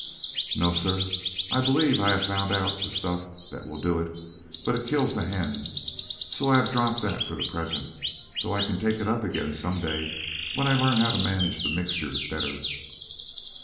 "No, sir. I believe I have found out the stuff that will do it, but it kills the hen; so I have dropped that for the present, though I can take it up again some day when I learn how to manage the mixture better."